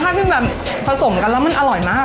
ใครซื้อไปเนาะไปทำง่ายมาก